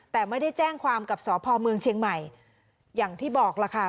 แต่ไม่ได้แจ้งความกับสพเมืองเชียงใหม่อย่างที่บอกล่ะค่ะ